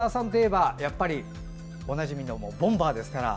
ということで中澤さんといえば、やっぱりおなじみのボンバーですから。